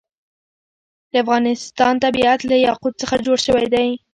د افغانستان طبیعت له یاقوت څخه جوړ شوی دی.